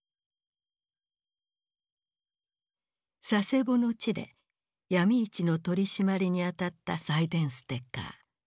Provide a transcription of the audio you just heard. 佐世保の地で闇市の取締りに当たったサイデンステッカー。